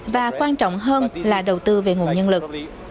và quan trọng hơn là đầu tư về nguồn nhân lực